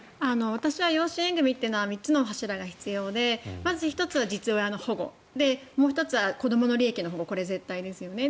私は養子縁組っていうのは３つの柱が必要でまず１つは実親の保護もう１つは子どもの保護これは絶対ですよね。